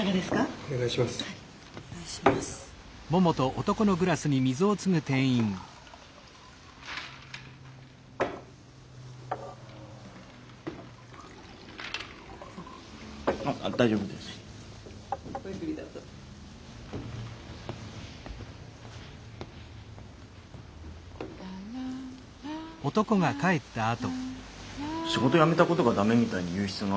仕事辞めたことが駄目みたいに言う必要ないじゃんね。